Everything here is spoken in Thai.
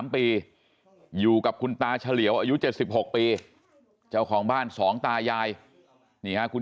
๗๓ปีอยู่กับคุณตาเฉลี่ยอายุ๗๖ปีเจ้าของบ้านสองตายายคุณ